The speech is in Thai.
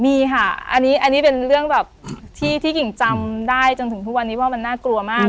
มีค่ะอันนี้เป็นเรื่องแบบที่กิ่งจำได้จนถึงทุกวันนี้ว่ามันน่ากลัวมาก